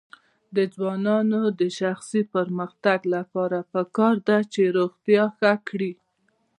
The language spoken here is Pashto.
د ځوانانو د شخصي پرمختګ لپاره پکار ده چې روغتیا ښه کړي.